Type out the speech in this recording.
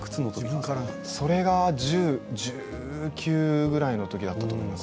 それが１９歳ぐらいのときだったと思います。